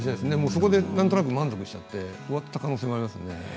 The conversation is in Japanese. そこでなんとなく満足して終わった可能性もありますね。